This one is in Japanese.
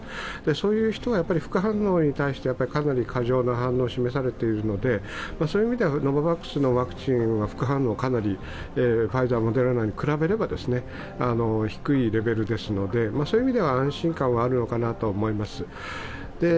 そういう人は副反応に対してかなり過剰な反応を示されているので、そういう意味ではノババックスのワクチンは副反応はかなり、ファイザー、モデルナに比べれば低いレベルですので、そういう意味では安心感はあるのかなと思います。